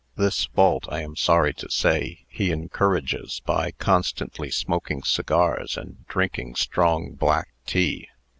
This fault, I am sorry to say, he encourages, by constantly smoking cigars and drinking strong black tea.